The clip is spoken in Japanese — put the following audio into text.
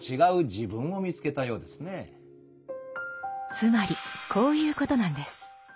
つまりこういうことなんです。